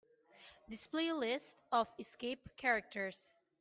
Display a list of escape characters.